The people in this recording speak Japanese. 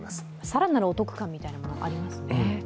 更なるお得感みたいなのがありますね。